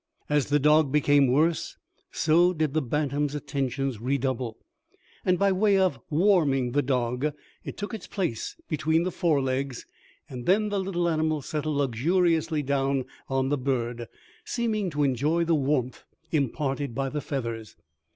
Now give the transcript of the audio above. As the dog became worse, so did the bantam's attentions redouble; and by way of warming the dog, it took its place between the forelegs, and then the little animal settled luxuriously down on the bird, seeming to enjoy the warmth imparted by the feathers.